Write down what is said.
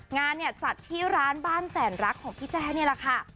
งานเนี่ยจัดที่ร้านบ้านแสนรักของพี่แจ้นี่แหละค่ะ